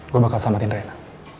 gue bakal selamatin rina